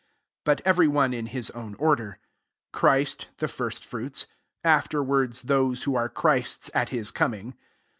25 But every one in his own order: Christ the first fruits; after wards those who are Christ's at his coming.